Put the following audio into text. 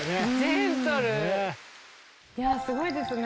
いやすごいですね！